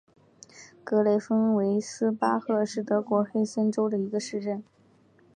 格雷芬维斯巴赫是德国黑森州的一个市镇。